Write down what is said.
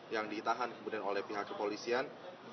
yang ditahan kemudian oleh pihak kepolisian